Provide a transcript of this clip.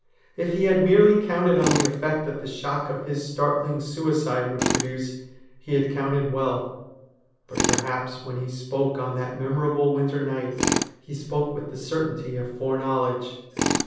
If he had merely counted on the effect that the shock of his startling suicide would produce he had counted well. But perhaps when he spoke on that memorable winter night, he spoke with the certainty of foreknowledge.